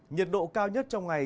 nhiệt độ cao nhất trong ngày